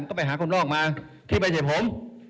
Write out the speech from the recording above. ก็ไปหาคนนอกมาที่ไปเจอผม